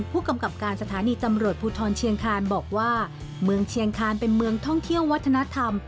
ผู้กำกับการสถานีตำรวจภูทรเชียงคานบอกว่าเมืองเชียงคานเป็นเมืองท่องเที่ยววัฒนธรรม